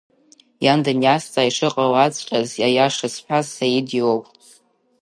Иан даниазҵаа ишыҟалаҵәҟьаз аиаша зҳәаз Саид иоуп.